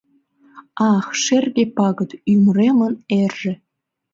Ах, шерге пагыт — ӱмыремын эрже!